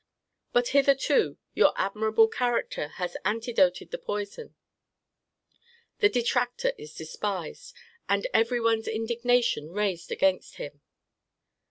But hitherto your admirable character has antidoted the poison; the detractor is despised, and every one's indignation raised against him.